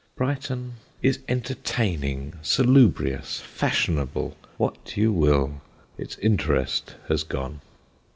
Brighton is entertaining, salubrious, fashionable, what you will. Its interest has gone.